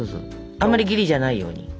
あんまりギリじゃないように。